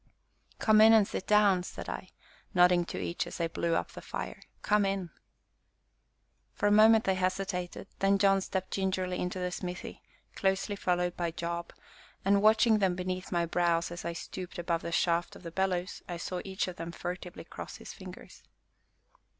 "Come in and sit down," said I, nodding to each, as I blew up the fire, "come in." For a moment they hesitated, then John stepped gingerly into the smithy, closely followed by Job, and, watching them beneath my brows as I stooped above the shaft of the bellows, I saw each of them furtively cross his fingers.